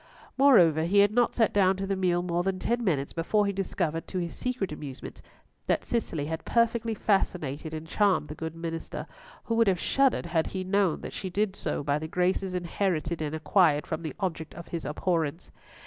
Moreover, he had not sat down to the meal more than ten minutes before he discovered, to his secret amusement, that Cicely had perfectly fascinated and charmed the good minister, who would have shuddered had he known that she did so by the graces inherited and acquired from the object of his abhorrence.